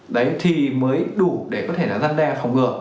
đấy thì mới đủ để có thể là giăn đe phòng ngừa